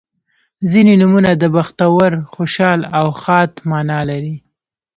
• ځینې نومونه د بختور، خوشحال او ښاد معنا لري.